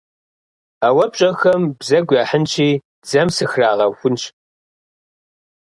А уэ пщӏэхэм бзэгу яхьынщи, дзэм сыхрагъэхунщ.